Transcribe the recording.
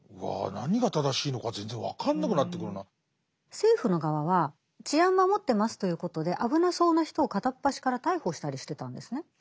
政府の側は治安守ってますということで危なそうな人を片っ端から逮捕したりしてたんですね。